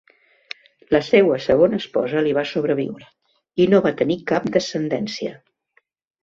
La seua segona esposa li va sobreviure, i no va tenir cap descendència.